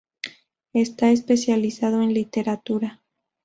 Está especializado en literatura.